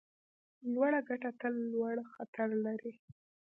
لوړه ګټه تل لوړ خطر لري.